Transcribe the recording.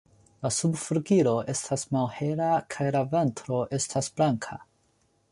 La subflugiloj estas malhelaj kaj la ventro estas blanka.